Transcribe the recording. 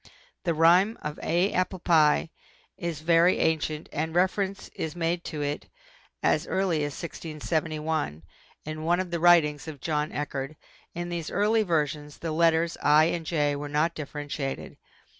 The rhyme of A APPLE PIE is very ancient and reference is made to it as early as 1671 in one of the writings of John Eachard. In these early versions the letters I and J were not differentiated.